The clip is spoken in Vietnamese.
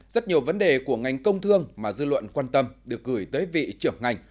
rất nhiều vấn đề của ngành công thương mà dư luận quan tâm được gửi tới vị trưởng ngành